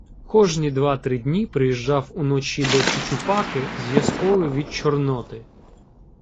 Кожні два-три дні приїжджав уночі до Чучупаки зв'язковий від Чорноти.